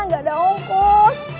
gak ada ongkos